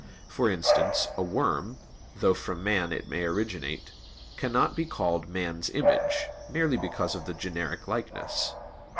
For instance, a worm, though from man it may originate, cannot be called man's image, merely because of the generic likeness.